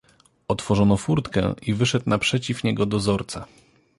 "Otworzono furtkę i wyszedł naprzeciw niego dozorca."